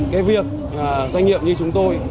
cái việc doanh nghiệp như chúng tôi